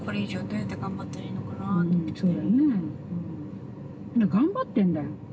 だから頑張ってんだよ。